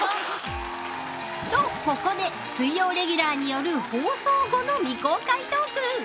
とここで水曜レギュラーによる放送後の未公開トーク。